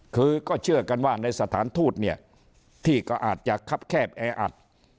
คือก็เชื่อกันว่าในสถานทูตเนี่ยที่ก็อาจจะคับแคบแออัด